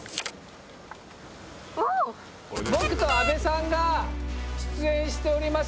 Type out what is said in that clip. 僕と阿部さんが出演しております